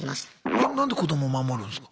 何で子ども守るんすか？